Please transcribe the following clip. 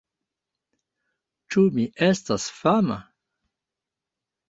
Ĉu mi estas fama?